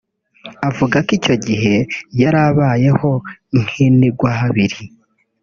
Avuga ko icyo gihe yari abayeho nk’inigwahabiri